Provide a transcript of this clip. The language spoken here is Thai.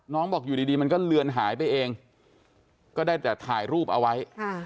บอกอยู่ดีมันก็เลือนหายไปเองก็ได้แต่ถ่ายรูปเอาไว้